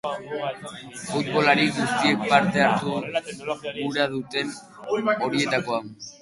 Futbolari guztiek parte hartu gura duten horietakoa.